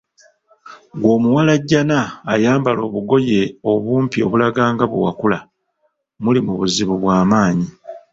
Ggwe omuwalajjana ayambala obugoye obumpi obulaga nga bwe wakula ,muli mu buzibu bw’amaanyi.